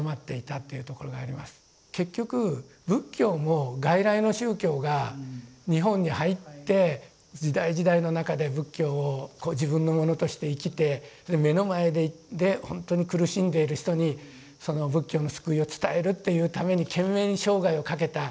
結局仏教も外来の宗教が日本に入って時代時代の中で仏教を自分のものとして生きてそれで目の前で本当に苦しんでいる人にその仏教の救いを伝えるっていうために懸命に生涯を懸けた。